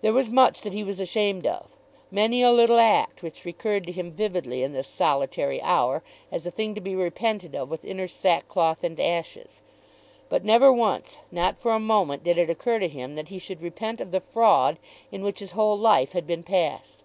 There was much that he was ashamed of, many a little act which recurred to him vividly in this solitary hour as a thing to be repented of with inner sackcloth and ashes. But never once, not for a moment, did it occur to him that he should repent of the fraud in which his whole life had been passed.